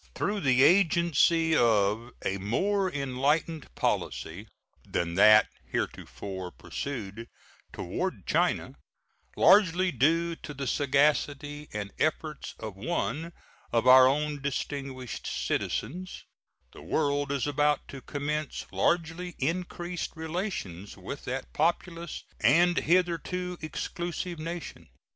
Through the agency of a more enlightened policy than that heretofore pursued toward China, largely due to the sagacity and efforts of one of our own distinguished citizens, the world is about to commence largely increased relations with that populous and hitherto exclusive nation.